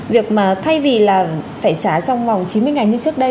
việc mà thay vì là phải trả trong vòng chín mươi ngày như trước đây